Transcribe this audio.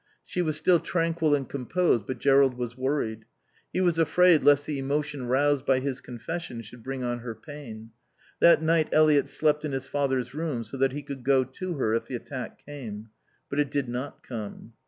She was still tranquil and composed, but Jerrold was worried. He was afraid lest the emotion roused by his confession should bring on her pain. That night Eliot slept in his father's room, so that he could go to her if the attack came. But it did not come.